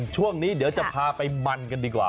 ช่วงนี้เดี๋ยวจะพาไปมันกันดีกว่า